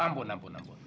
ampun ampun ampun